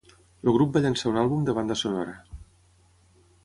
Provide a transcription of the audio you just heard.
El grup va llançar un àlbum de banda sonora.